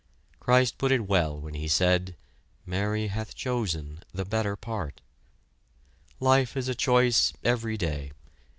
Christ put it well when he said, "Mary hath chosen the better part." Life is a choice every day.